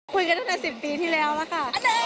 คุยกันตั้งแต่๑๐ปีที่แล้วแล้วค่ะ